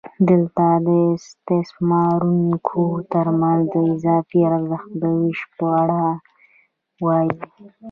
دلته د استثماروونکو ترمنځ د اضافي ارزښت د وېش په اړه وایو